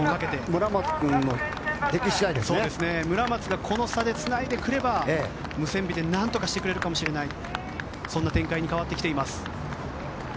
村松がこの差でつないでくればムセンビでなんとかしてくれるかもしれないそんな展開に変わってきています。